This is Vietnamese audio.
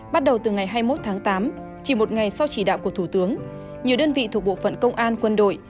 bắt đầu từ ngày hai mươi một tháng tám chỉ một ngày sau chỉ đạo của thủ tướng nhiều đơn vị thuộc bộ phận công an quân đội